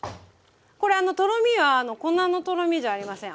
これとろみは粉のとろみじゃありません。